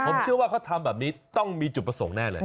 ผมเชื่อว่าเขาทำแบบนี้ต้องมีจุดประสงค์แน่เลย